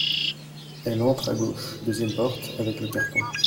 Elle entre à gauche, deuxième porte, avec le carton.